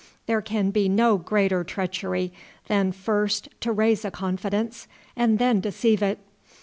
There can be no greater treachery than first to raise a confidence, and then deceive it.